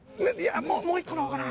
もう一個の方かな。